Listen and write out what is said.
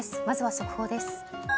まずは速報です。